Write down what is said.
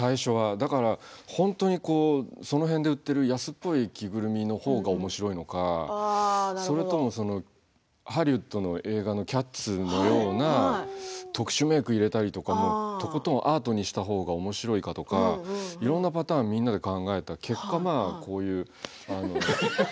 だから、本当にその辺で売ってる安っぽい着ぐるみのほうがおもしろいのかそれともハリウッドの映画の「ＣＡＴＳ」のような特殊メーク入れたりとかもとことんアートにしたほうがおもしろいかとかいろんなパターンみんなで考えた結果がこういう、あの。